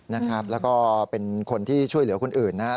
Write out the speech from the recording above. นะครับแล้วก็เป็นคนที่ช่วยเหลือคนอื่นนะครับ